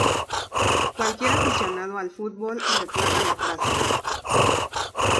Cualquier aficionado al fútbol recuerda la frase.